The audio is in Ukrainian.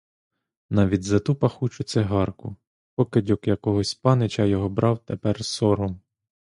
Навіть за ту пахучу цигарку, покидьок якогось панича, його брав тепер сором.